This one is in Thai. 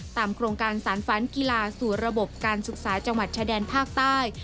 โครงการสารฝันกีฬาสู่ระบบการศึกษาจังหวัดชายแดนภาคใต้